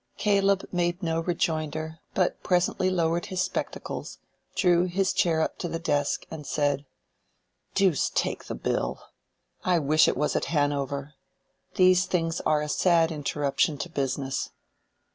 Caleb made no rejoinder, but presently lowered his spectacles, drew up his chair to the desk, and said, "Deuce take the bill—I wish it was at Hanover! These things are a sad interruption to business!"